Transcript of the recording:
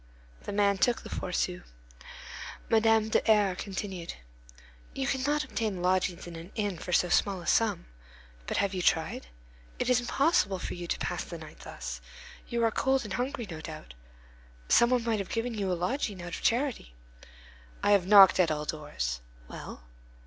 The man took the four sous. Madame de R—— continued: "You cannot obtain lodgings in an inn for so small a sum. But have you tried? It is impossible for you to pass the night thus. You are cold and hungry, no doubt. Some one might have given you a lodging out of charity." "I have knocked at all doors." "Well?"